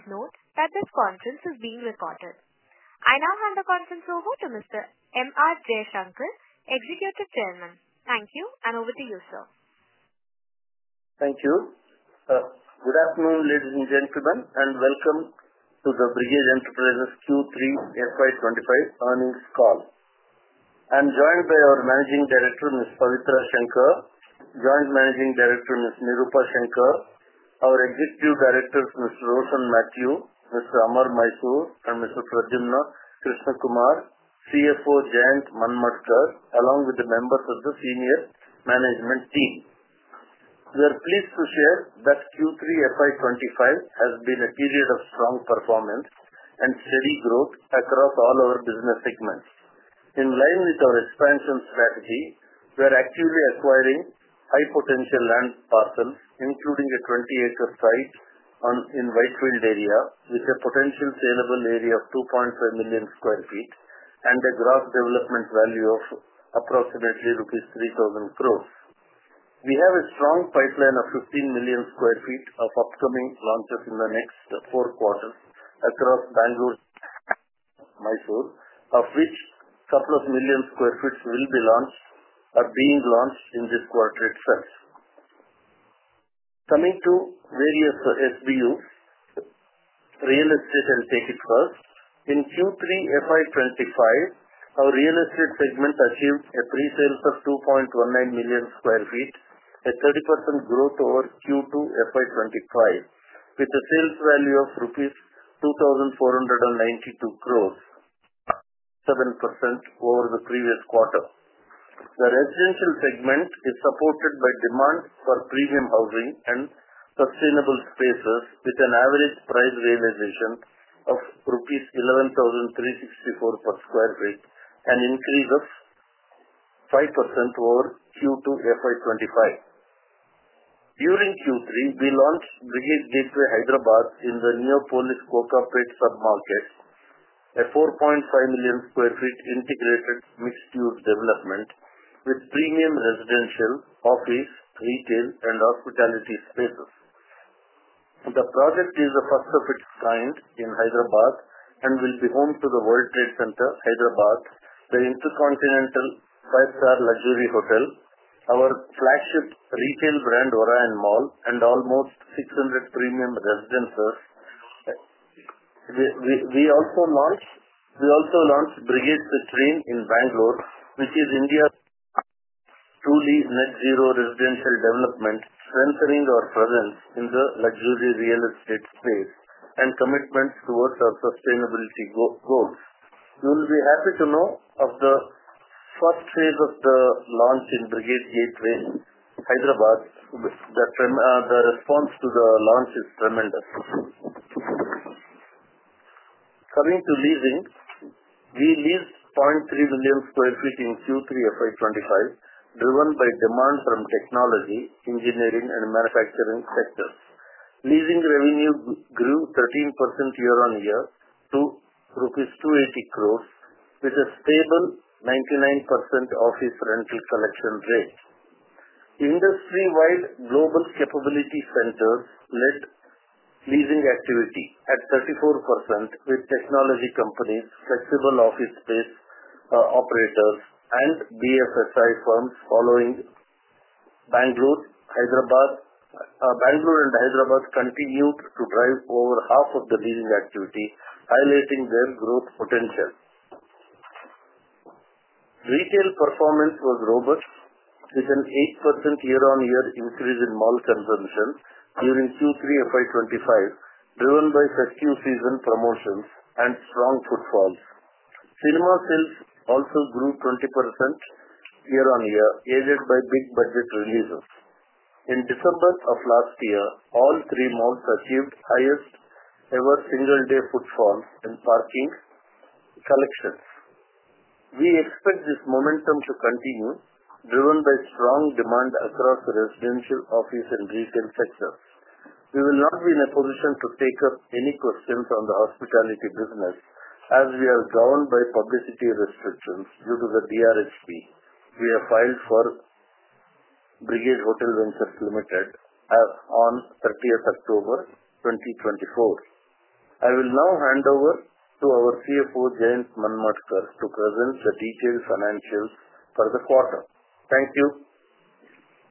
Please note that this conference is being recorded. I now hand the conference over to Mr. M. R. Jaishankar, Executive Chairman. Thank you, and over to you, sir. Thank you. Good afternoon, ladies and gentlemen, and welcome to the Brigade Enterprises Q3 FY 2025 earnings call. I'm joined by our Managing Director, Ms. Pavitra Shankar; Joint Managing Director, Ms. Nirupa Shankar; our Executive Directors, Mr. Roshin Mathew, Mr. Amar Mysore, and Mr. Pradyumna Krishna Kumar; CFO Jayant Manmadkar, along with the members of the senior management team. We are pleased to share that Q3 FY 2025 has been a period of strong performance and steady growth across all our business segments. In line with our expansion strategy, we are actively acquiring high-potential land parcels, including a 20-acre site in Whitefield area with a potential saleable area of 2.5 million sq ft and a gross development value of approximately rupees 3,000 crores. We have a strong pipeline of 15 million sq ft of upcoming launches in the next four quarters across Bangalore, Mysore, of which a couple of million square feet will be launched or being launched in this quarter itself. Coming to various SBUs, real estate, I'll take it first. In Q3 FY 2025, our real estate segment achieved a pre-sale of 2.19 million sq ft, a 30% growth over Q2 FY 2025, with a sales value of rupees 2,492 crores, 7% over the previous quarter. The residential segment is supported by demand for premium housing and sustainable spaces, with an average price realization of rupees 11,364 per sq ft and an increase of 5% over Q2 FY 2025. During Q3, we launched Brigade Gateway Hyderabad in the Neopolis, Kokapet submarket, a 4.5 million sq ft integrated mixed-use development with premium residential, office, retail, and hospitality spaces. The project is the first of its kind in Hyderabad and will be home to the World Trade Center Hyderabad, the InterContinental five-star luxury hotel, our flagship retail brand Orion Mall, and almost 600 premium residences. We also launched Brigade Citrine in Bangalore, which is India's truly net-zero residential development, strengthening our presence in the luxury real estate space and commitment towards our sustainability goals. You will be happy to know of the first phase of the launch in Brigade Gateway Hyderabad. The response to the launch is tremendous. Coming to leasing, we leased 0.3 million sq ft in Q3 FY 2025, driven by demand from technology, engineering, and manufacturing sectors. Leasing revenue grew 13% year-on-year to rupees 280 crores, with a stable 99% office rental collection rate. Industry-wide global capability centers led leasing activity at 34%, with technology companies, flexible office space operators, and BFSI firms following. Bangalore and Hyderabad continued to drive over half of the leasing activity, highlighting their growth potential. Retail performance was robust, with an 8% year-on-year increase in mall consumption during Q3 FY 2025, driven by festive season promotions and strong footfalls. Cinema sales also grew 20% year-on-year, aided by big-budget releases. In December of last year, all three malls achieved highest-ever single-day footfall in parking collections. We expect this momentum to continue, driven by strong demand across residential, office, and retail sectors. We will not be in a position to take up any questions on the hospitality business, as we are governed by publicity restrictions due to the DRHP. We have filed for Brigade Hotel Ventures Limited on 30th October 2024. I will now hand over to our CFO, Jayant Manmadkar, to present the detailed financials for the quarter. Thank you.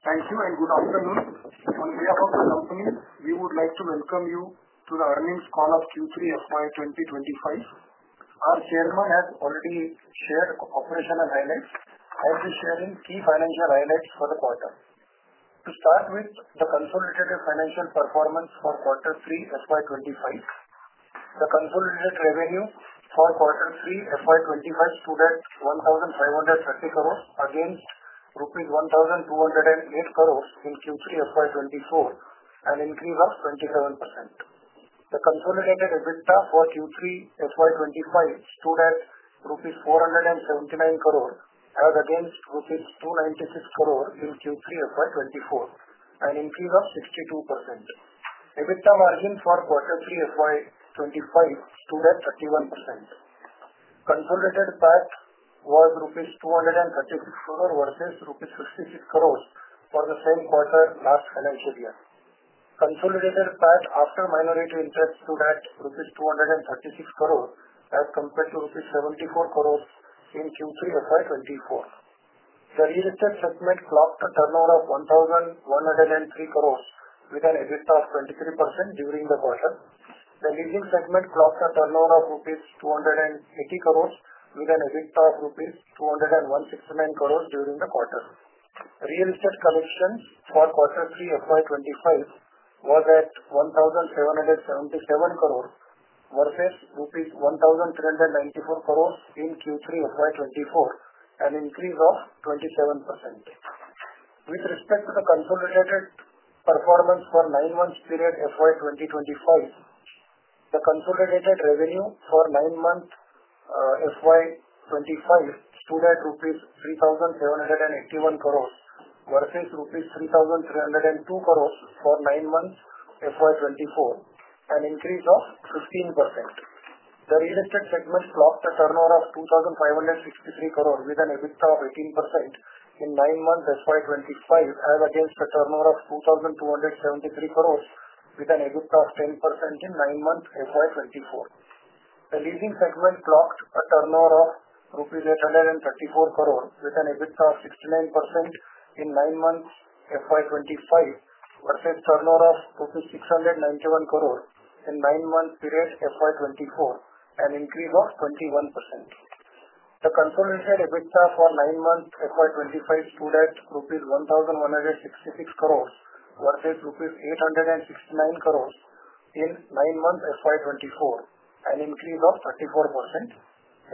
Thank you, and good afternoon. On behalf of the company, we would like to welcome you to the earnings call of Q3 FY 2025. Our Chairman has already shared operational highlights. I'll be sharing key financial highlights for the quarter. To start with, the consolidated financial performance for Q3 FY 2025. The consolidated revenue for Q3 FY 2025 stood at 1,530 crores against rupees 1,208 crores in Q3 FY 2024, an increase of 27%. The consolidated EBITDA for Q3 FY 2025 stood at rupees 479 crores as against rupees 296 crores in Q3 FY 2024, an increase of 62%. EBITDA margin for Q3 FY 2025 stood at 31%. Consolidated PAT was INR 236 crores versus INR 66 crores for the same quarter last financial year. Consolidated PAT after minority interest stood at 236 crores as compared to 74 crores in Q3 FY 2024. The real estate segment clocked a turnover of 1,103 crores with an EBITDA of 23% during the quarter. The leasing segment clocked a turnover of INR 280 crores with an EBITDA of INR 216 crores during the quarter. Real estate collections for Q3 FY 2025 was at INR 1,777 crores versus INR 1,394 crores in Q3 FY 2024, an increase of 27%. With respect to the consolidated performance for nine-month period FY 2025, the consolidated revenue for nine-month FY25 stood at INR 3,781 crores versus INR 3,302 crores for nine-month FY 2024, an increase of 15%. The real estate segment clocked a turnover of 2,563 crores with an EBITDA of 18% in nine-month FY 2025, as against a turnover of 2,273 crores with an EBITDA of 10% in nine-month FY24. The leasing segment clocked a turnover of INR 834 crores with an EBITDA of 69% in nine-month FY 2025 versus a turnover of 691 crores in nine-month period FY 2024, an increase of 21%. The consolidated EBITDA for nine-month FY 2025 stood at rupees 1,166 crores versus rupees 869 crores in nine-month FY 2024, an increase of 34%.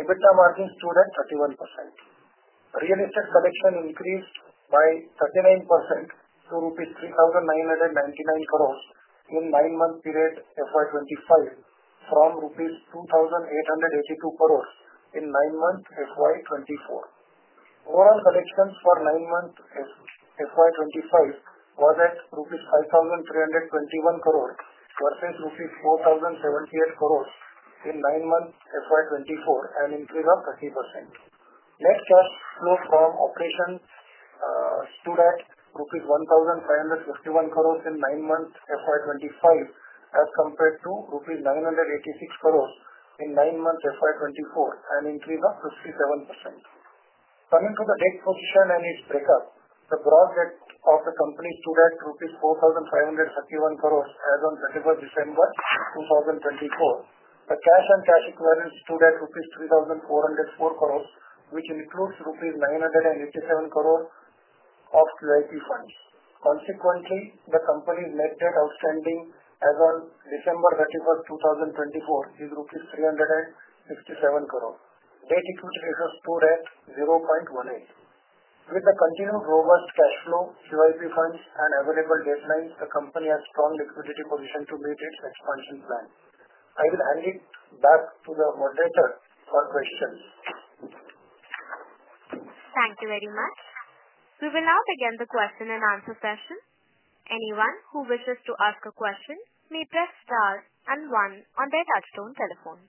EBITDA margin stood at 31%. Real estate collection increased by 39% to rupees 3,999 crores in nine-month period FY 2025 from INR 2,882 crores in nine-month FY 2024. Overall collections for nine-month FY 2025 was at rupees 5,321 crores versus rupees 4,078 crores in nine-month FY 2024, an increase of 30%. Net cash flow from operations stood at rupees 1,551 crores in nine-month FY 2025 as compared to rupees 986 crores in nine-month FY 2024, an increase of 57%. Coming to the debt position and its breakup, the gross debt of the company stood at 4,531 crores rupees as of December 2024. The cash and cash equivalents stood at 3,404 crores rupees, which includes 987 crores rupees of QIP funds. Consequently, the company's net debt outstanding as of December 31, 2024, is INR 367 crores. Debt-equity ratio stood at 0.18. With the continued robust cash flow, QIP funds, and available credit lines, the company has a strong liquidity position to meet its expansion plan. I will hand it back to the moderator for questions. Thank you very much. We will now begin the question and answer session. Anyone who wishes to ask a question may press star and one on their touch-tone telephone.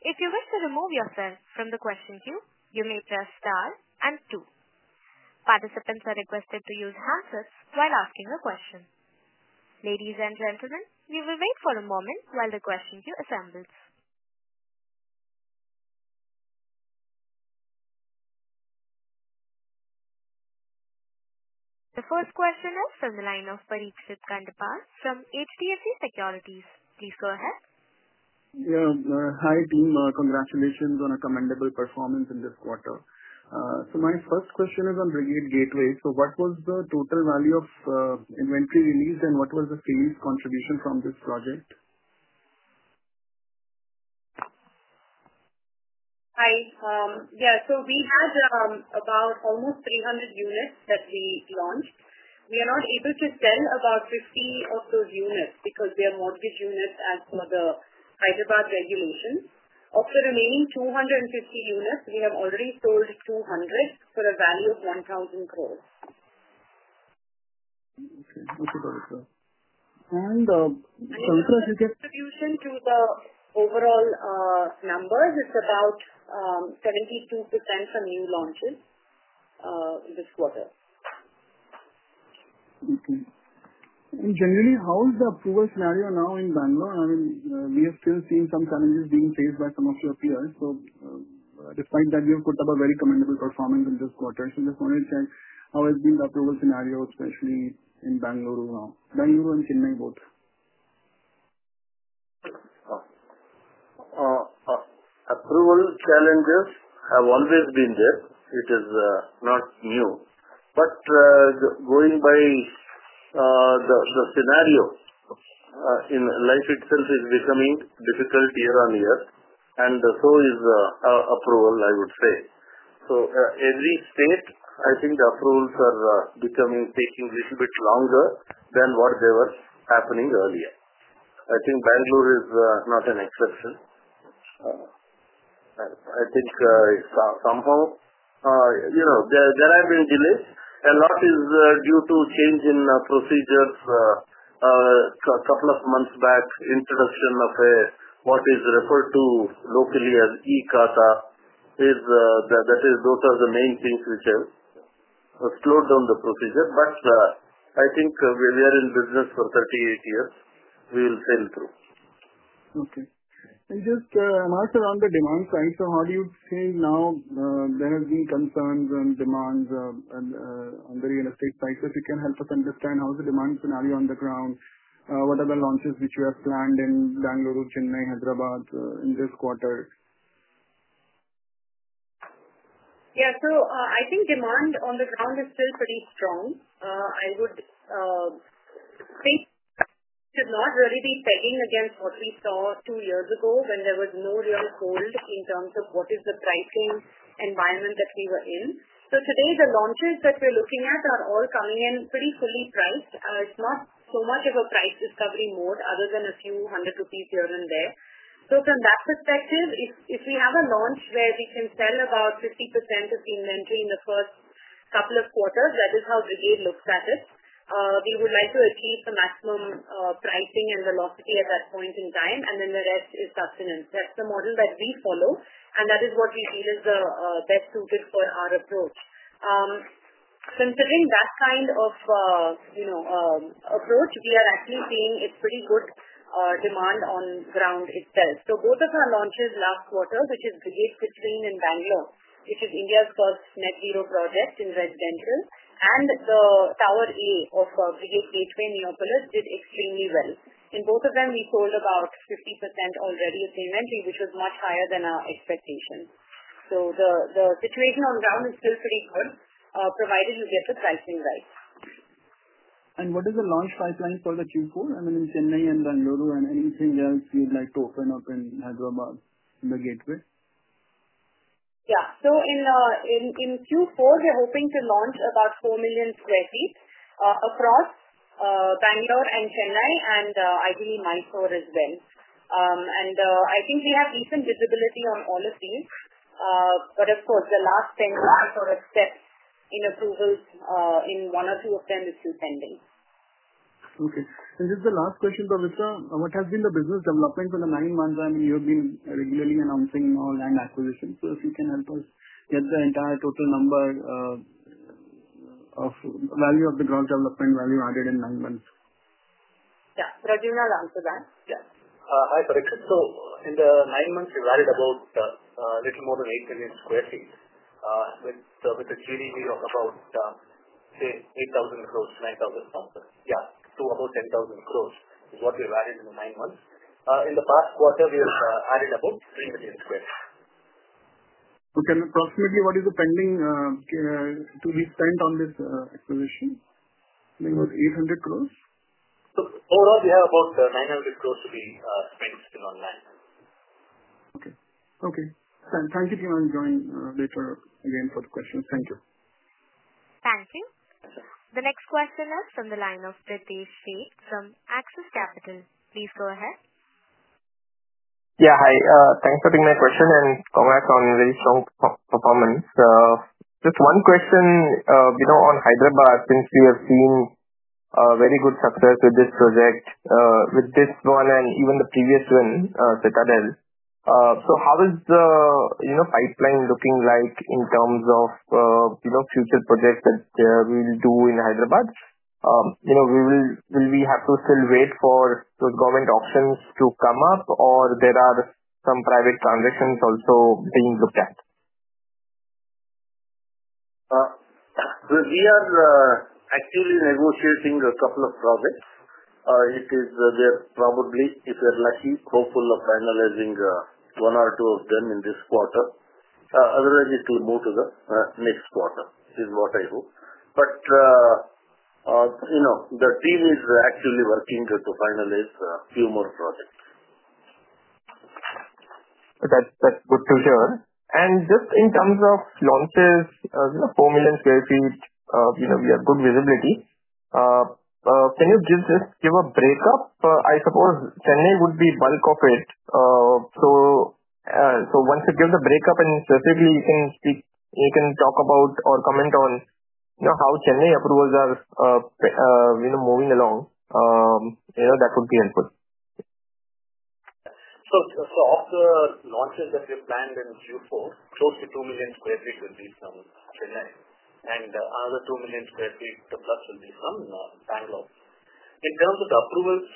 If you wish to remove yourself from the question queue, you may press star and two. Participants are requested to use handsets while asking a question. Ladies and gentlemen, we will wait for a moment while the question queue assembles. The first question is from the line of Parikshit Kandpal from HDFC Securities. Please go ahead. Yeah. Hi, team. Congratulations on a commendable performance in this quarter. So my first question is on Brigade Gateway. So what was the total value of inventory released, and what was the sales contribution from this project? Hi. Yeah. So we had about almost 300 units that we launched. We are not able to sell about 50 of those units because they are mortgage units as per the Hyderabad regulations. Of the remaining 250 units, we have already sold 200 for a value of 1,000 crores. Okay. Okay. Got it. And Shankar, if you can. In contribution to the overall numbers, it's about 72% from new launches this quarter. Okay. And generally, how is the approval scenario now in Bangalore? I mean, we have still seen some challenges being faced by some of your peers. So despite that, you have put up a very commendable performance in this quarter. So I just wanted to check how has been the approval scenario, especially in Bangalore now, Bangalore and Chennai both? Approval challenges have always been there. It is not new. But going by the scenario in life itself is becoming difficult year-on-year, and so is approval, I would say. So every state, I think the approvals are becoming taking a little bit longer than what they were happening earlier. I think Bangalore is not an exception. I think somehow there have been delays. A lot is due to change in procedures a couple of months back, introduction of what is referred to locally as e-Khata. That is, those are the main things which have slowed down the procedure. But I think we are in business for 38 years. We will sail through. Okay. And just a marker on the demand side. So how do you see now there have been concerns and demands on the real estate side? So if you can help us understand how is the demand scenario on the ground, what are the launches which you have planned in Bangalore, Chennai, Hyderabad in this quarter? Yeah. So I think demand on the ground is still pretty strong. I would say we should not really be pegging against what we saw two years ago when there was no real hold in terms of what is the pricing environment that we were in. So today, the launches that we're looking at are all coming in pretty fully priced. It's not so much of a price discovery mode other than a few hundred rupees here and there. So from that perspective, if we have a launch where we can sell about 50% of the inventory in the first couple of quarters, that is how Brigade looks at it. We would like to achieve the maximum pricing and velocity at that point in time, and then the rest is sustenance. That's the model that we follow, and that is what we feel is the best suited for our approach. Considering that kind of approach, we are actually seeing it's pretty good demand on ground itself. So both of our launches last quarter, which is Brigade Citrine in Bangalore, which is India's first net-zero project in residential, and the Tower A of Brigade Gateway Neopolis did extremely well. In both of them, we sold about 50% already of the inventory, which was much higher than our expectation. So the situation on ground is still pretty good, provided you get the pricing right. What is the launch pipeline for the Q4? I mean, in Chennai and Bangalore and anything else you'd like to open up in Hyderabad in the Gateway? Yeah. So in Q4, we're hoping to launch about 4 million sq ft across Bangalore and Chennai and ideally Mysore as well. And I think we have decent visibility on all of these. But of course, the last 10 years are a step in approvals. One or two of them are still pending. Okay. And just the last question, Pavitra, what has been the business development for the nine months? I mean, you have been regularly announcing land acquisitions. So if you can help us get the entire total number of value of the gross development value added in nine months. Yeah. Pradyumna will answer that. Yeah. Hi, Parikshit. So in the nine months, we've added about a little more than 8 million sq ft with a GDV of about, say, 8,000 crores, INR 9,000 crores. Yeah, to about 10,000 crores is what we've added in the nine months. In the past quarter, we have added about 3 million sq ft. Okay. And approximately, what is the pending to be spent on this acquisition? I think it was 800 crores? Overall, we have about 900 crores to be spent still on land. Okay. Okay. Thank you. I'll join later again for the questions. Thank you. Thank you. The next question is from the line of Pritesh Sheth from Axis Capital. Please go ahead. Yeah. Hi. Thanks for taking my question and congrats on very strong performance. Just one question. On Hyderabad, since we have seen very good success with this project, with this one and even the previous one, Citadel, so how is the pipeline looking like in terms of future projects that we will do in Hyderabad? Will we have to still wait for those government options to come up, or there are some private transactions also being looked at? We are actually negotiating a couple of projects. It is there probably, if we are lucky, hopeful of finalizing one or two of them in this quarter. Otherwise, it will move to the next quarter, is what I hope. But the team is actually working to finalize a few more projects. That's good to hear. And just in terms of launches, 4 million sq ft, we have good visibility. Can you just give a breakup? I suppose Chennai would be bulk of it. So once you give the breakup and specifically you can talk about or comment on how Chennai approvals are moving along, that would be helpful. Of the launches that we have planned in Q4, close to 2 million sq ft will be from Chennai, and another 2 million sq ft plus will be from Bangalore. In terms of the approvals,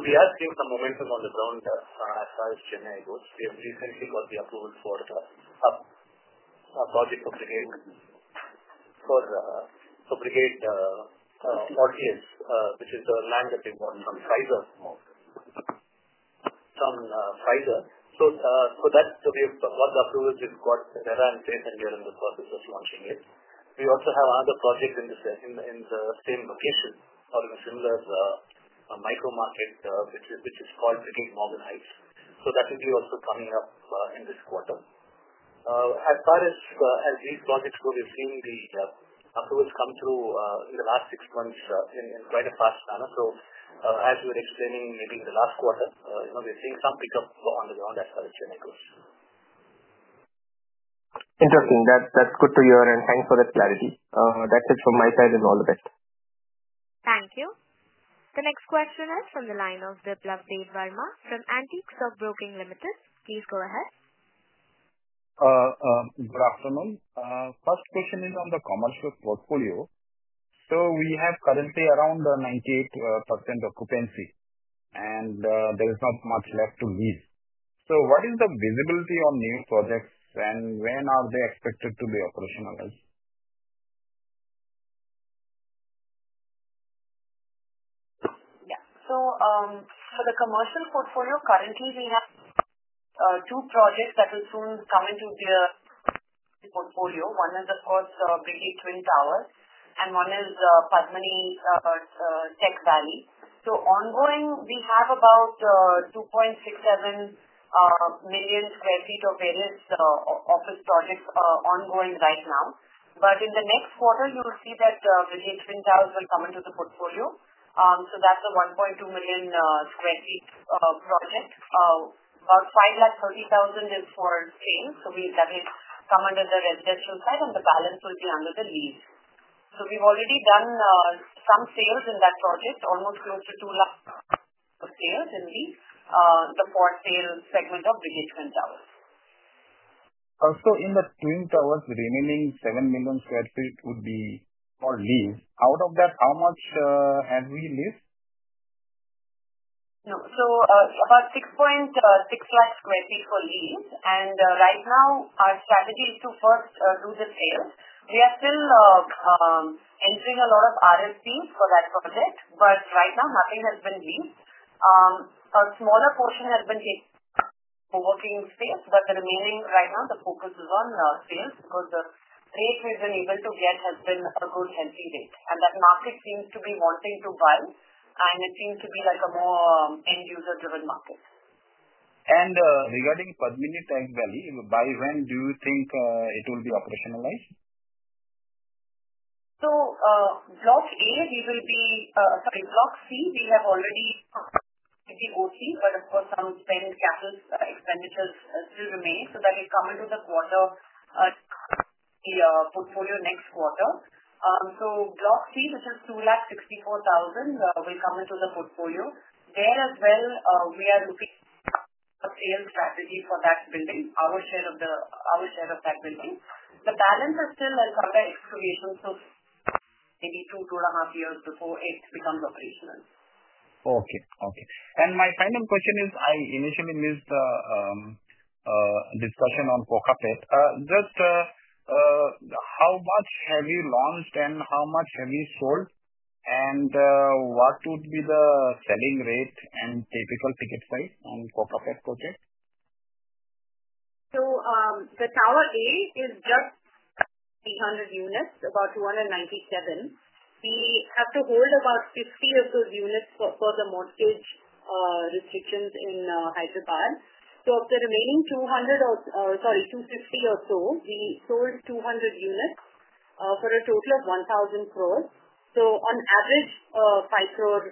we are seeing some momentum on the ground as far as Chennai goes. We have recently got the approval for a project for Brigade Altius, which is the land that we bought from Pfizer. So that's what the approvals we've got there are in place, and we are in the process of launching it. We also have another project in the same location or in a similar micro market, which is called Brigade Morgan Heights. That will be also coming up in this quarter. As far as these projects go, we've seen the approvals come through in the last six months in quite a fast manner. So as you were explaining, maybe in the last quarter, we're seeing some pickup on the ground as far as Chennai goes. Interesting. That's good to hear, and thanks for the clarity. That's it from my side and all of it. Thank you. The next question is from the line of Biplab Debbarma from Antique Stock Broking Limited. Please go ahead. Good afternoon. First question is on the commercial portfolio. So we have currently around 98% occupancy, and there is not much left to lease. So what is the visibility on new projects, and when are they expected to be operationalized? Yeah. So for the commercial portfolio, currently, we have two projects that will soon come into the portfolio. One is, of course, Brigade Twin Towers, and one is Brigade Padmini Tech Valley. So ongoing, we have about 2.67 million sq ft of various office projects ongoing right now. But in the next quarter, you will see that Brigade Twin Towers will come into the portfolio. So that's a 1.2 million sq ft project. About 530,000 is for sale. So that will come under the residential side, and the balance will be under the lease. So we've already done some sales in that project, almost close to 2 lakh sales in the pre-sale segment of Brigade Twin Towers. So in the Twin Towers, the remaining 7 million sq ft would be for lease. Out of that, how much have we leased? No. So, about 6.6 lakh sq ft for lease. And right now, our strategy is to first do the sales. We are still entering a lot of RFPs for that project, but right now, nothing has been leased. A smaller portion has been taken for working space, but the remaining right now, the focus is on sales because the rate we've been able to get has been a good, healthy rate. And that market seems to be wanting to buy, and it seems to be like a more end-user-driven market. Regarding Padmini Tech Valley, by when do you think it will be operationalized? So Block A, we will be sorry. Block C, we have already the OC, but of course, some spend capital expenditures still remain so that it will come into the quarter portfolio next quarter. So Block C, which is 264,000, will come into the portfolio. There as well, we are looking at sales strategy for that building, our share of that building. The balance is still in some excavation, so maybe two, two and a half years before it becomes operational. Okay. Okay. And my final question is, I initially missed the discussion on Kokapet. Just how much have you launched, and how much have you sold, and what would be the selling rate and typical ticket size on Kokapet project? So the Tower A is just 300 units, about 297. We have to hold about 50 of those units for the mortgage restrictions in Hyderabad. So of the remaining 200 or sorry, 250 or so, we sold 200 units for a total of 1,000 crores. So on average, 5 crores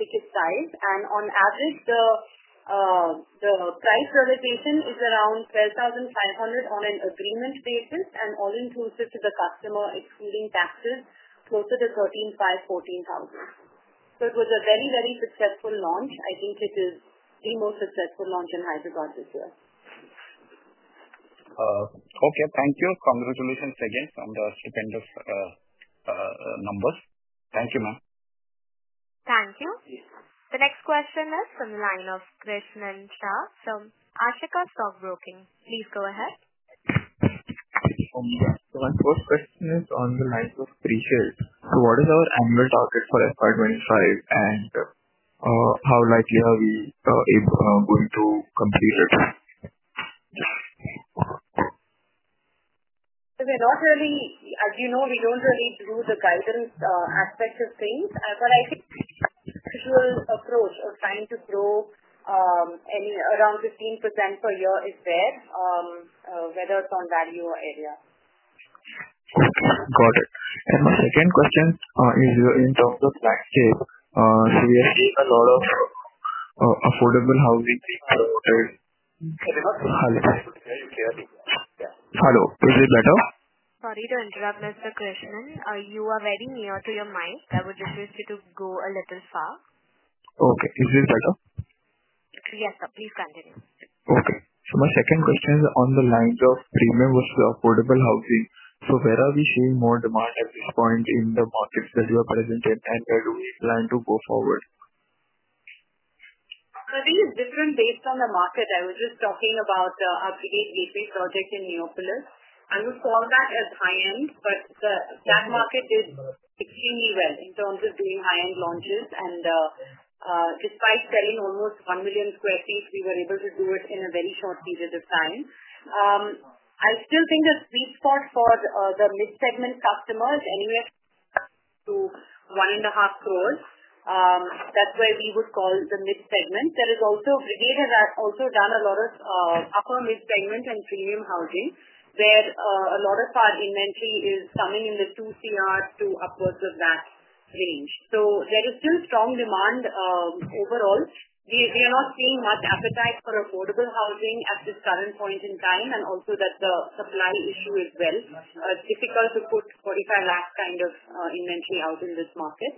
ticket size. And on average, the price realization is around 12,500 on an agreement basis and all-inclusive to the customer, excluding taxes, closer to 13,500, 14,000. So it was a very, very successful launch. I think it is the most successful launch in Hyderabad this year. Okay. Thank you. Congratulations again on the stupendous numbers. Thank you, ma'am. Thank you. The next question is from the line of Krishnan. From Ashika Stock Broking, please go ahead. Yeah. So my first question is on the line of Krishnan. So what is our annual target for FY 2025, and how likely are we going to complete it? We're not really as you know, we don't really do the guidance aspect of things. But I think the usual approach of trying to grow around 15% per year is there, whether it's on value or area. Okay. Got it. And my second question is in terms of landscape. So we have seen a lot of affordable housing. Hello. Hello. Is it better? Sorry to interrupt, Mr. Krishnan. You are very near to your mic. I would just wish you to go a little far. Okay. Is this better? Yes, sir. Please continue. Okay. So my second question is on the lines of premium versus affordable housing. So where are we seeing more demand at this point in the markets that you are present in, and where do we plan to go forward? So this is different based on the market. I was just talking about a Brigade Gateway project in Neopolis. I would call that as high-end, but that market did extremely well in terms of doing high-end launches. And despite selling almost 1 million sq ft, we were able to do it in a very short period of time. I still think the sweet spot for the mid-segment customers, anywhere to 1.5 crores, that's where we would call the mid-segment. There is also Brigade has also done a lot of upper mid-segment and premium housing where a lot of our inventory is coming in the 2 crores to upwards of that range. So there is still strong demand overall. We are not seeing much appetite for affordable housing at this current point in time, and also that the supply issue as well. It's difficult to put 45 lakh kind of inventory out in this market.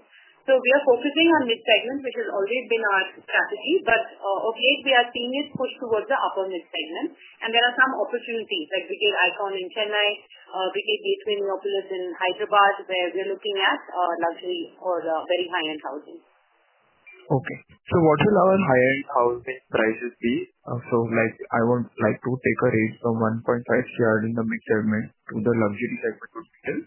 So we are focusing on mid-segment, which has always been our strategy. But of late, we are seeing it push towards the upper mid-segment. And there are some opportunities like Brigade Icon in Chennai, Brigade Gateway Neopolis in Hyderabad, where we are looking at luxury or very high-end housing. Okay, so what will our high-end housing prices be so I would like to take a rate from 1.5 crore in the mid-segment to the luxury segment would be still?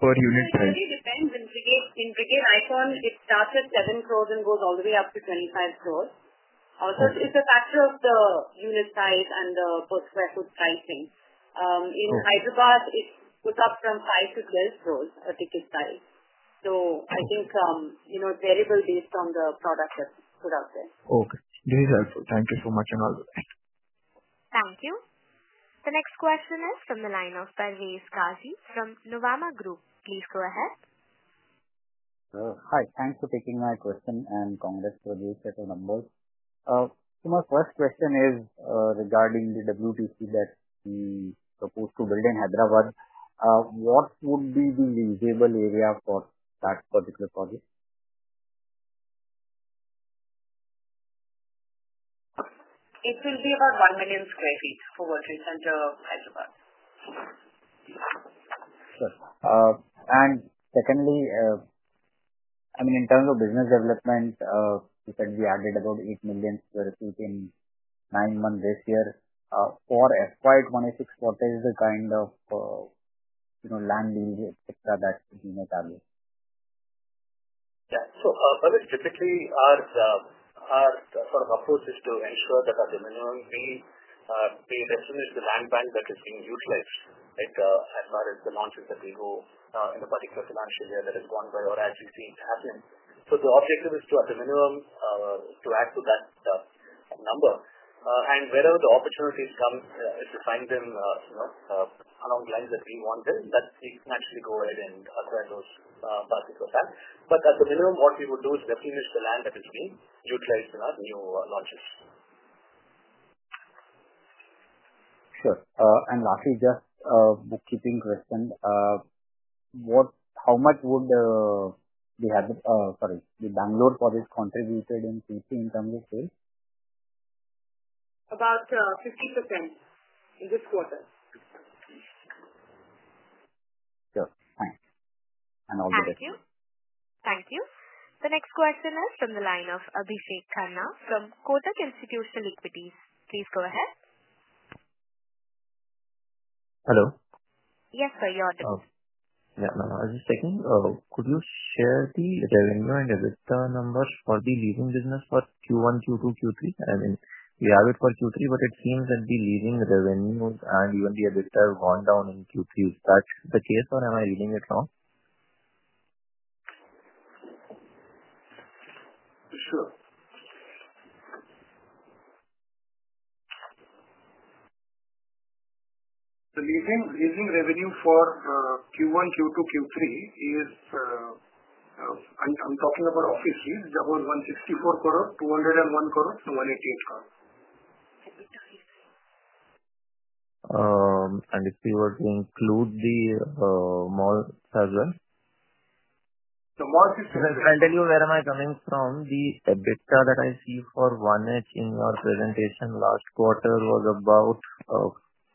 Or unit price? It really depends. In Brigade Icon, it starts at seven crores and goes all the way up to 25 crores. Also, it's a factor of the unit size and the per sq ft pricing. In Hyderabad, it goes up from INR five to 12 crores a ticket size. So I think it's variable based on the product that's put out there. Okay. This is helpful. Thank you so much and all the best. Thank you. The next question is from the line of Parvez Qazi from Nuvama Group. Please go ahead. Hi. Thanks for taking my question, and congrats for these little numbers. So my first question is regarding the WTC that we are supposed to build in Hyderabad. What would be the reasonable area for that particular project? It will be about 1 million sq ft for what we've done to Hyderabad. Sure, and secondly, I mean, in terms of business development, you said we added about eight million sq ft in nine months this year. For FY 2026, what is the kind of land lease, et cetera, that we may target? Yeah. So typically, our sort of approach is to ensure that at a minimum, we recognize the land bank that is being utilized, right, as far as the launches that we do in the particular financial year that is going by or as we see it happening. So the objective is to, at a minimum, to add to that number. And wherever the opportunities come, if we find them along the lines that we want them, that we can actually go ahead and acquire those particular lands. But at the minimum, what we would do is replenish the land that is being utilized in our new launches. Sure. And lastly, just a bookkeeping question. How much would the—sorry, the Bangalore project contributed in Q3 in terms of sales? About 50% in this quarter. Sure. Thanks, and all the best. Thank you. Thank you. The next question is from the line of Abhishek Khanna from Kotak Institutional Equities. Please go ahead. Hello? Yes, sir. You're on the beat. Yeah. I was just checking. Could you share the revenue and the return numbers for the leasing business for Q1, Q2, Q3? I mean, we have it for Q3, but it seems that the leasing revenues and even the EBITDA have gone down in Q3. Is that the case, or am I reading it wrong? Sure. The leasing revenue for Q1, Q2, Q3 is (I'm talking about office fees) about 164 crore, 201 crore, 188 crore. If we were to include the malls as well? The malls is. Just to tell you where am I coming from, the EBITDA that I see for 1H in your presentation last quarter was about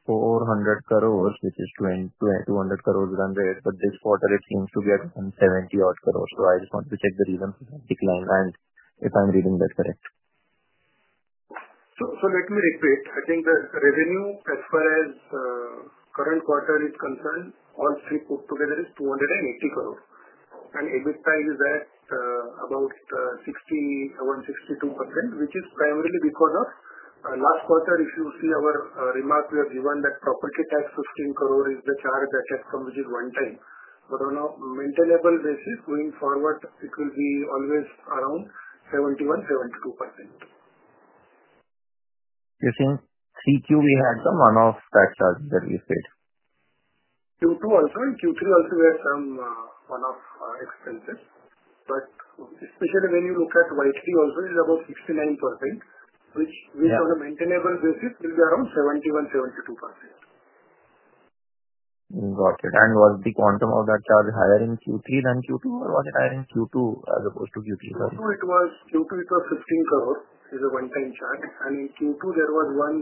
400 crores, which is 200 crores within the red. But this quarter, it seems to be at 170 crores. So I just want to check the reason for that decline and if I'm reading that correct? So let me repeat. I think the revenue, as far as current quarter is concerned, all three put together is 280 crore. And EBITDA is at about 62%, which is primarily because of last quarter, if you see our remark, we have given that property tax 15 crore is the charge that has come with it one time. But on a maintainable basis, going forward, it will be always around 71%, 72%. You're saying 3Q, we had some one-off tax charge that we paid. Q2 also, and Q3 also, we had some one-off expenses. But especially when you look at YTD also, it is about 69%, which on a maintainable basis will be around 71%, 72%. Got it. And was the quantum of that charge higher in Q3 than Q2, or was it higher in Q2 as opposed to Q3? Q2, it was 15 crores as a one-time charge. And in Q2, there was one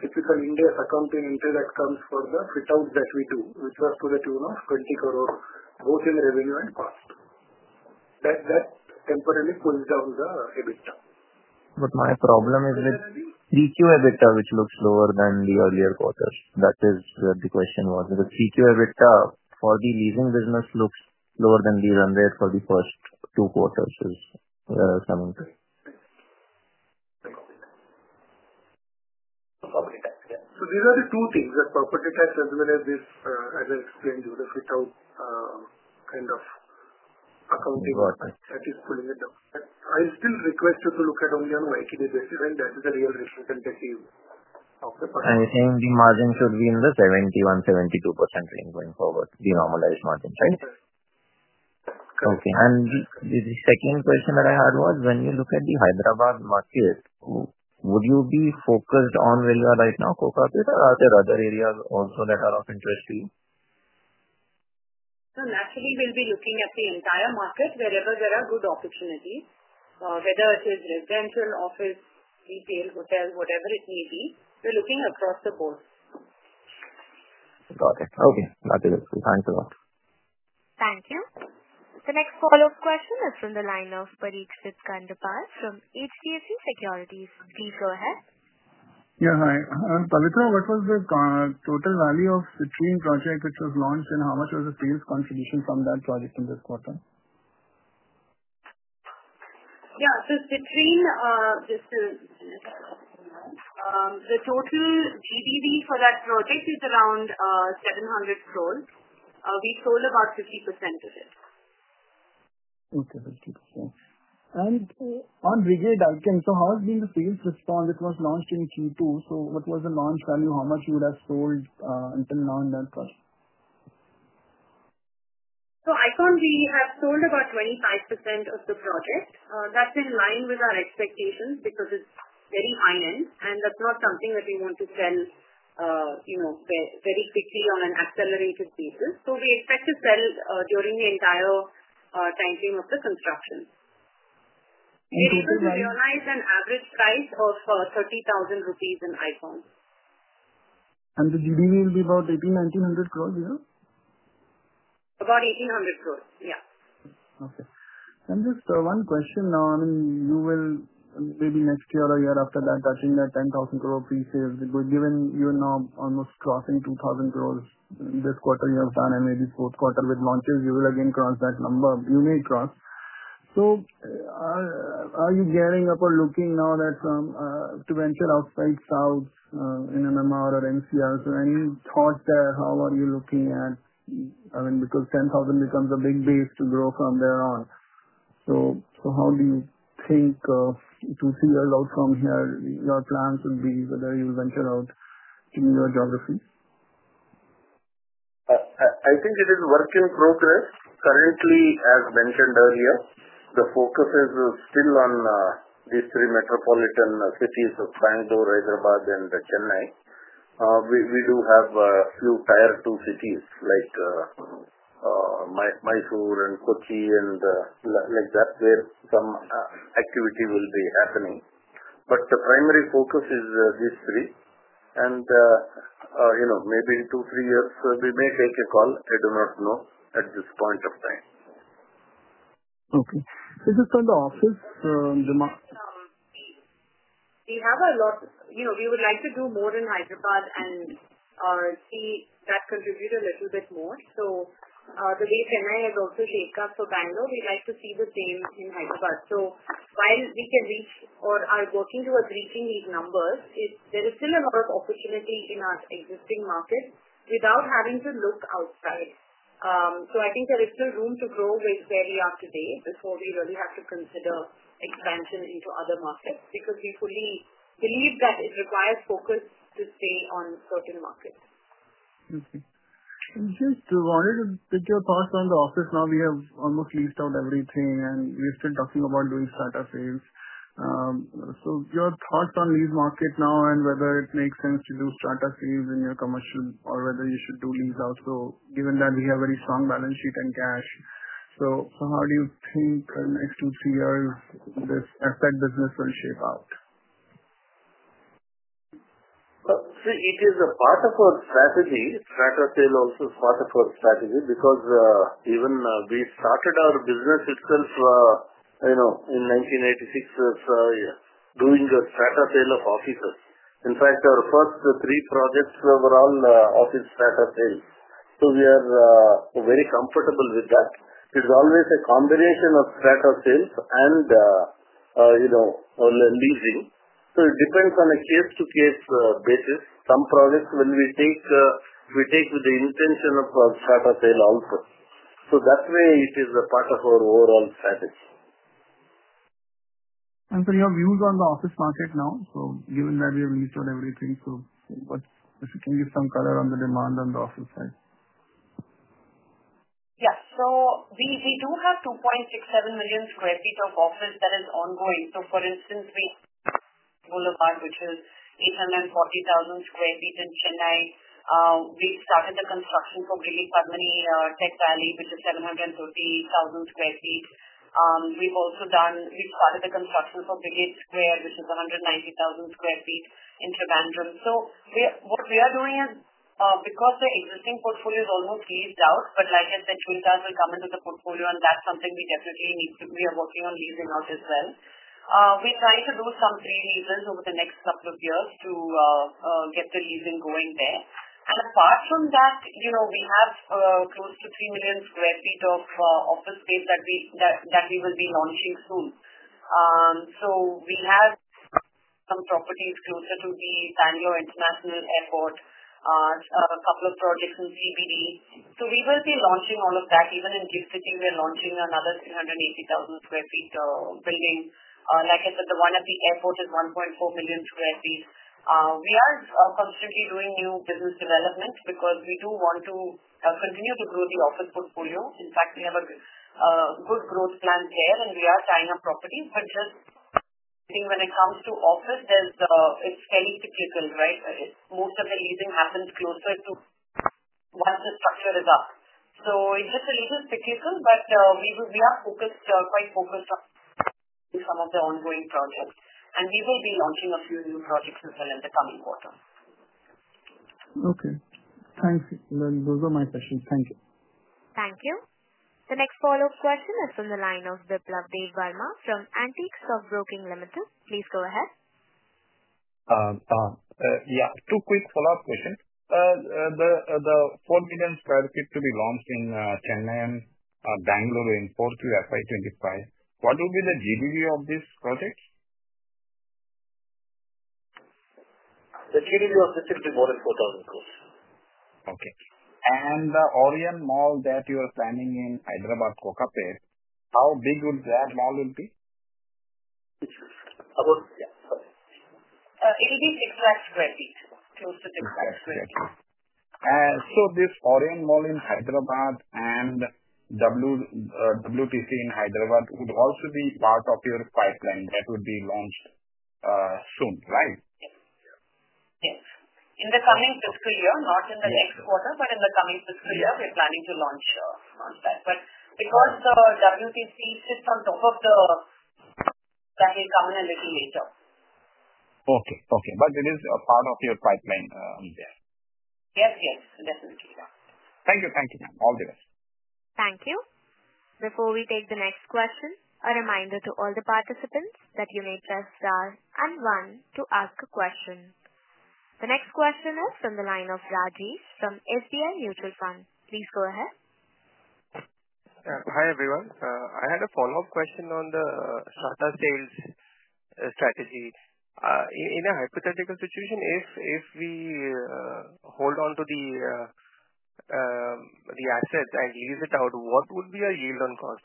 typical India accounting entry that comes for the fit-out that we do, which was to the tune of 20 crores, both in revenue and cost. That temporarily pulls down the EBITDA. But my problem is with 3Q EBITDA, which looks lower than the earlier quarters. That is where the question was. The 3Q EBITDA for the leasing business looks lower than the run rate for the first two quarters. Where are you coming to? So these are the two things: the property tax, as well as this, as I explained you, the fit-out kind of accounting that is pulling it down. I still request you to look at only on YTD basis, and that is a real reason that you. Okay. So you're saying the margin should be in the 71%, 72% range going forward, the normalized margin, right? Correct. Okay. And the second question that I had was, when you look at the Hyderabad market, would you be focused on where you are right now, Kokapet, or are there other areas also that are of interest to you? So naturally, we'll be looking at the entire market wherever there are good opportunities, whether it is residential, office, retail, hotel, whatever it may be. We're looking across the board. Got it. Okay. That's it. Thanks a lot. Thank you. The next follow-up question is from the line of Parikshit Kandpal from HDFC Securities. Please go ahead. Yeah. Hi. Parikshit, what was the total value of Citrine project, which was launched, and how much was the sales contribution from that project in this quarter? Yeah. So Citrine, the total GDV for that project is around 700 crores. We sold about 50% of it. Okay. 50%. And on Brigade Icon, so how has been the sales response? It was launched in Q2. So what was the launch value? How much you would have sold until now in that project? So, Icon, we have sold about 25% of the project. That's in line with our expectations because it's very high-end, and that's not something that we want to sell very quickly on an accelerated basis. So we expect to sell during the entire timeframe of the construction. We also realized an average price of 30,000 rupees in Icon. The GDV will be about 1,900 crores, yeah? About 1,800 crores. Yeah. Okay. And just one question now. I mean, you will maybe next year or a year after that, touching that 10,000 crore pre-sales. Given you are now almost crossing 2,000 crores this quarter you have done and maybe fourth quarter with launches, you will again cross that number. You may cross. So are you gearing up or looking now to venture outside south in MMR or NCR? So any thoughts there? How are you looking at, I mean, because 10,000 crores becomes a big base to grow from there on. So how do you think, two to three years out from here, your plans would be whether you'll venture out to newer geographies? I think it is a work in progress. Currently, as mentioned earlier, the focus is still on these three metropolitan cities of Bangalore, Hyderabad, and Chennai. We do have a few Tier 2 cities like Mysore and Kochi and like that where some activity will be happening. But the primary focus is these three. And maybe in two, three years, we may take a call. I do not know at this point of time. Okay, so just on the office demand? We have a lot we would like to do more in Hyderabad and see that contribute a little bit more. So the way Chennai has also shaped up for Bangalore, we'd like to see the same in Hyderabad. So while we can reach or are working towards reaching these numbers, there is still a lot of opportunity in our existing market without having to look outside. So I think there is still room to grow where we are today before we really have to consider expansion into other markets because we fully believe that it requires focus to stay on certain markets. Okay. And just to take your thoughts on the office now. We have almost leased out everything, and we're still talking about doing strata sales. So your thoughts on lease market now and whether it makes sense to do strata sales in your commercial or whether you should do lease also, given that we have a very strong balance sheet and cash. So how do you think in the next two, three years, this asset business will shape out? Well, see, it is a part of our strategy. Strata sale also is part of our strategy because even we started our business itself in 1986 as doing a strata sale of offices. In fact, our first three projects were all office strata sales. So we are very comfortable with that. It's always a combination of strata sales and leasing. So it depends on a case-by-case basis. Some projects we will take with the intention of strata sale also, so that way, it is a part of our overall strategy. And so your views on the office market now? So given that we have leased out everything, so if you can give some color on the demand on the office side. Yeah. So we do have 2.67 million sq ft of office that is ongoing. So for instance, we have Boulevard, which is 840,000 sq ft in Chennai. We've started the construction for Brigade Padmini Tech Valley, which is 730,000 sq ft. We've also started the construction for Brigade Square, which is 190,000 sq ft in Trivandrum. So what we are doing is, because the existing portfolio is almost leased out, but like I said, Twin Towers will come into the portfolio, and that's something we definitely need to. We are working on leasing out as well. We're trying to do some pre-leases over the next couple of years to get the leasing going there. And apart from that, we have close to 3 million sq ft of office space that we will be launching soon. So we have some properties closer to the Bangalore International Airport, a couple of projects in CBD. So we will be launching all of that. Even in GIFT City, we're launching another 380,000 sq ft building. Like I said, the one at the airport is 1.4 million sq ft. We are constantly doing new business development because we do want to continue to grow the office portfolio. In fact, we have a good growth plan there, and we are tying up properties. But just when it comes to office, it's very typical, right? Most of the leasing happens closer to once the structure is up. So it's just a little typical, but we are quite focused on some of the ongoing projects. And we will be launching a few new projects as well in the coming quarter. Okay. Thanks. Those are my questions. Thank you. Thank you. The next follow-up question is from the line of Biplab Debbarma from Antique Stock Broking Limited. Please go ahead. Yeah. Two quick follow-up questions. The four million sq ft to be launched in Chennai and Bangalore in 4Q FY 2025, what will be the GDV of this project? The GDV of this will be more than 4,000 crores. Okay. And the Orion Mall that you are planning in Hyderabad, Kokapet, how big would that mall be? It will be 600,000 sq ft, close to 600,000 sq ft. Okay. So this Orion Mall in Hyderabad and WTC in Hyderabad would also be part of your pipeline that would be launched soon, right? Yes. In the coming fiscal year, not in the next quarter, but in the coming fiscal year, we're planning to launch on that. But because the WTC sits on top of the. That will come in a little later. Okay. Okay. But it is part of your pipeline there? Yes. Yes. Definitely. Yeah. Thank you. Thank you, ma'am. All the best. Thank you. Before we take the next question, a reminder to all the participants that you may press star and one to ask a question. The next question is from the line of Rajesh from SBI Mutual Fund. Please go ahead. Hi, everyone. I had a follow-up question on the strata sales strategy. In a hypothetical situation, if we hold on to the asset and lease it out, what would be our yield on cost?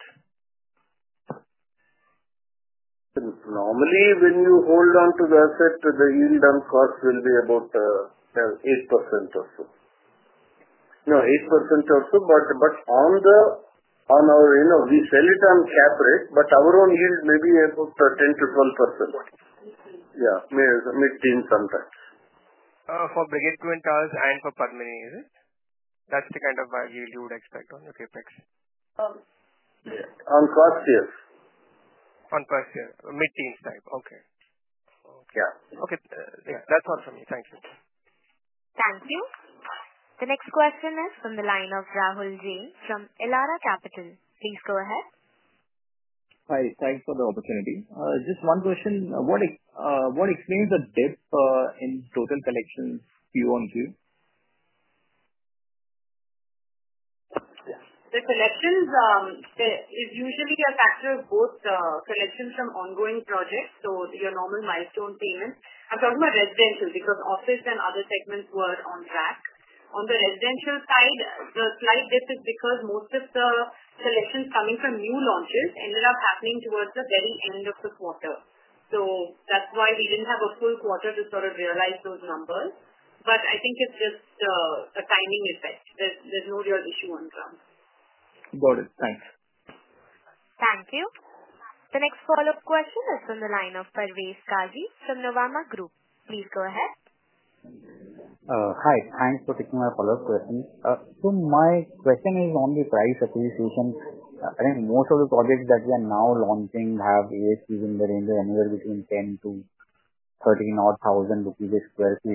Normally, when you hold on to the asset, the yield on cost will be about 8% or so. No, 8% or so. But on our end, we sell it on cap rate, but our own yield may be about 10%-12%. Yeah. Mid-teens sometimes. For Brigade Twin Towers and for Padmini, is it? That's the kind of yield you would expect on your CapEx? On first year, yes. On first year, mid-teens type. Okay. Okay. Yeah. That's all from me. Thank you. Thank you. The next question is from the line of Rahool Jain from Elara Capital. Please go ahead. Hi. Thanks for the opportunity. Just one question. What explains the dip in total collections quarter-over-quarter? The collections is usually a factor of both collections from ongoing projects, so your normal milestone payments. I'm talking about residential because office and other segments were on track. On the residential side, the slight dip is because most of the collections coming from new launches ended up happening towards the very end of the quarter. So that's why we didn't have a full quarter to sort of realize those numbers. But I think it's just a timing effect. There's no real issue on grounds. Got it. Thanks. Thank you. The next follow-up question is from the line of Parvez Qazi from Nuvama Group. Please go ahead. Hi. Thanks for taking my follow-up question. So my question is on the price appreciation. I think most of the projects that we are now launching have ASPs in the range of anywhere between 10,000-13,000 odd per sq ft.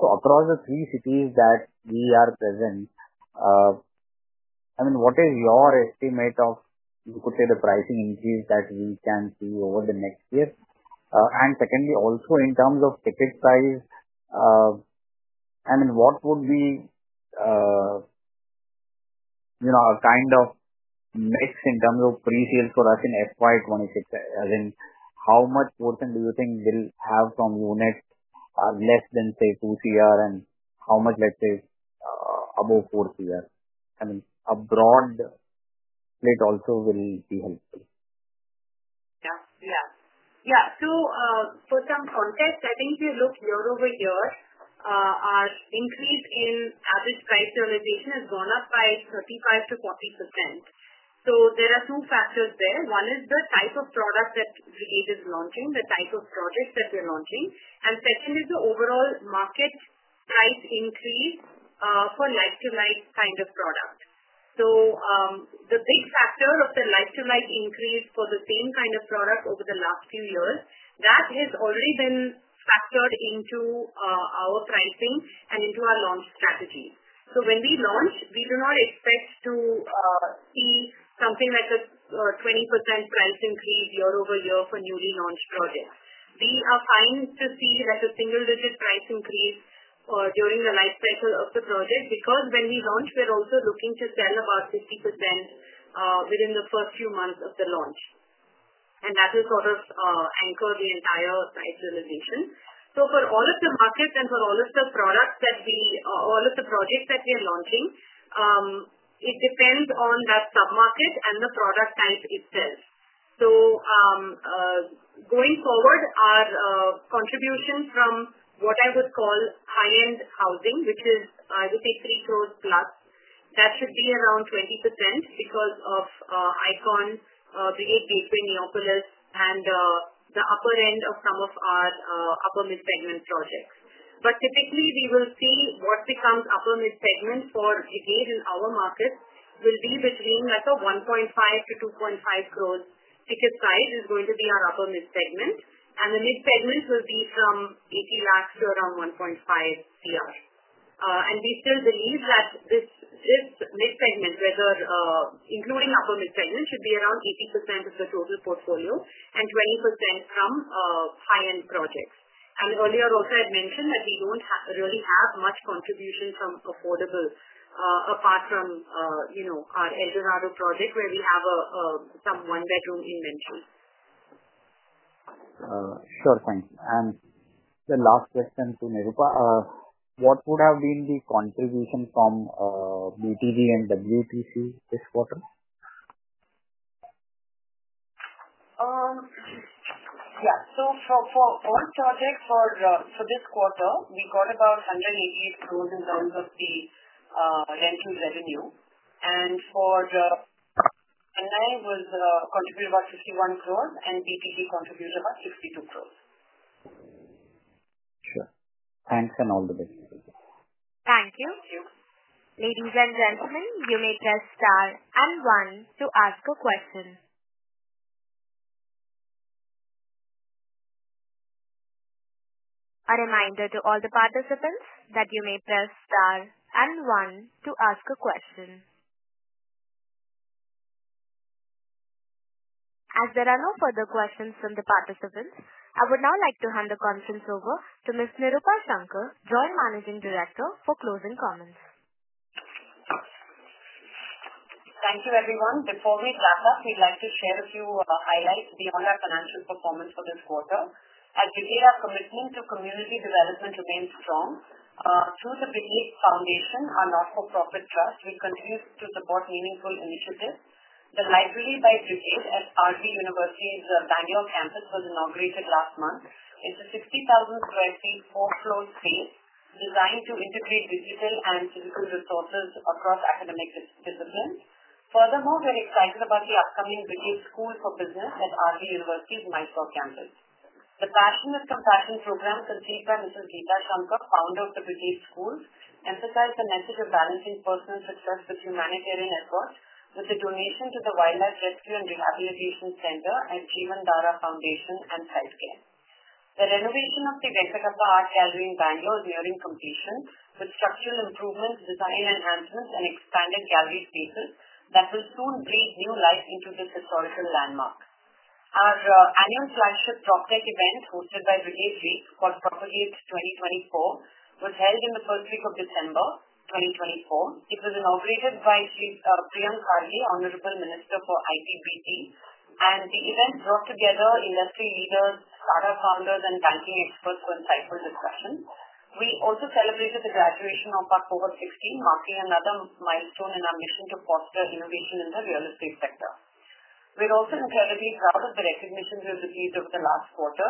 So across the three cities that we are present, I mean, what is your estimate of, you could say, the pricing increase that we can see over the next year? And secondly, also in terms of ticket size, I mean, what would be a kind of mix in terms of pre-sales for us in FY 2026? As in, how much portion do you think we'll have from units less than, say, !NR 2 crores, and how much, let's say, above 4 crores? I mean, a broad split also will be helpful. Yeah. Yeah. Yeah. So for some context, I think if you look year-over-year, our increase in average price realization has gone up by 35%-40%. So there are two factors there. One is the type of product that Brigade is launching, the type of project that we're launching. And second is the overall market price increase for like-for-like kind of product. So the big factor of the like-for-like increase for the same kind of product over the last few years, that has already been factored into our pricing and into our launch strategy. So when we launch, we do not expect to see something like a 20% price increase year-over-year for newly launched projects. We are fine to see a single-digit price increase during the lifecycle of the project because when we launch, we're also looking to sell about 50% within the first few months of the launch. And that will sort of anchor the entire price realization. So for all of the markets and for all of the products that we all of the projects that we are launching, it depends on that submarket and the product type itself. So going forward, our contribution from what I would call high-end housing, which is, I would say, 3 crores plus, that should be around 20% because of Brigade Icon, Brigade Gateway, Neopolis, and the upper end of some of our upper-mid segment projects. But typically, we will see what becomes upper-mid segment for, again, in our market, will be between 1.5 crores-2.5 crores. Ticket size is going to be our upper-mid segment. The mid segment will be from 80 lakhs to around 1.5 crores. We still believe that this mid segment, including upper-mid segment, should be around 80% of the total portfolio and 20% from high-end projects. Earlier, also, I had mentioned that we don't really have much contribution from affordable apart from our Brigade El Dorado project where we have some one-bedroom inventory. Sure. Thanks. And the last question to Nirupa. What would have been the contribution from BTG and WTC this quarter? Yeah. So for all projects for this quarter, we got about 188 crores in terms of the rental revenue. And for Chennai, it was contributed about 51 crores, and BTG contributed about 62 crores. Sure. Thanks and all the best. Thank you. Thank you. Ladies and gentlemen, you may press star and one to ask a question. A reminder to all the participants that you may press star and one to ask a question. As there are no further questions from the participants, I would now like to hand the conference over to Ms. Nirupa Shankar, Joint Managing Director, for closing comments. Thank you, everyone. Before we wrap up, we'd like to share a few highlights beyond our financial performance for this quarter. As Brigade said, our commitment to community development remains strong. Through the Brigade Foundation, our not-for-profit trust, we continue to support meaningful initiatives. The library by Brigade at RV University's Bangalore campus was inaugurated last month. It's a 60,000 sq ft, four-floor space designed to integrate digital and physical resources across academic disciplines. Furthermore, we're excited about the upcoming Brigade School for Business at RV University's Mysore campus. The Compassionate Companion Program conceived by Mrs. Gita Shankar, founder of the Brigade School, emphasized the message of balancing personal success with humanitarian efforts with the donation to the Wildlife Rescue and Rehabilitation Center at Jeevandhara Foundation and [Site Care]. The renovation of the Venkatappa Art Gallery in Bangalore is nearing completion with structural improvements, design enhancements, and expanded gallery spaces that will soon breathe new life into this historical landmark. Our annual flagship PropTech event hosted by Brigade REAP for PropAGate 2024 was held in the first week of December 2024. It was inaugurated by Sri Priyank Kharge, Honorable Minister for IT/BT. The event brought together industry leaders, startup founders, and banking experts for insightful discussions. We also celebrated the graduation of over 16 startups, marking another milestone in our mission to foster innovation in the real estate sector. We're also incredibly proud of the recognitions we've received over the last quarter.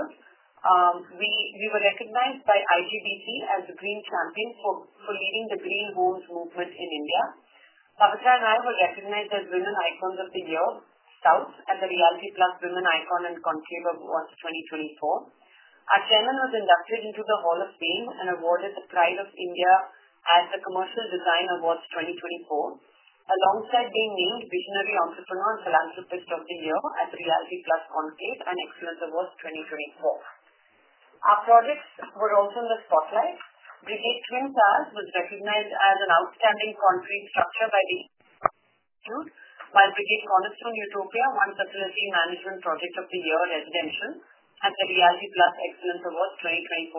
We were recognized by IGBC as the Green Champion for leading the Green Homes Movement in India. Pavitra and I were recognized as Women Icons of the Year at the Realty+ Women Icon and Conclave Awards 2024. Our chairman was inducted into the Hall of Fame and awarded the Pride of India at the Commercial Design Awards 2024, alongside being named Visionary Entrepreneur and Philanthropist of the Year at the Realty+ Conclave and Excellence Awards 2024. Our projects were also in the spotlight. Brigade Twin Towers was recognized as an outstanding concrete structure by the Institute while Brigade Cornerstone Utopia won Facility Management Project of the Year residential at the Realty+ Excellence Awards 2024.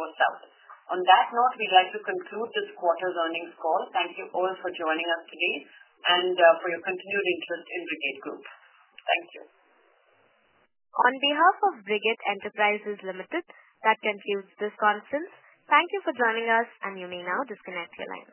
On that note, we'd like to conclude this quarter's earnings call. Thank you all for joining us today and for your continued interest in Brigade Group. Thank you. On behalf of Brigade Enterprises Limited, that concludes this conference. Thank you for joining us, and you may now disconnect your line.